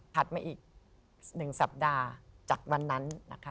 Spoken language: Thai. ผัดมาอีก๑สัปดาห์จากวันนั้น